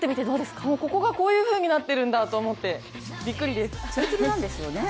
ここがこういうふうになっているんだと思って、びっくりです。